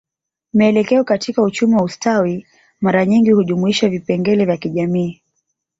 Mielekeo katika uchumi wa ustawi mara nyingi hujumuisha vipengele vya kijamii